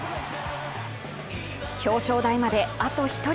表彰台まであと１人。